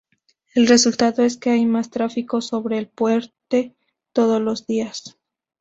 El resultado es que hay más tráfico sobre el puente todos los días.